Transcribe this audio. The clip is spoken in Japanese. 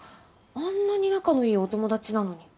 あんなに仲のいいお友達なのに。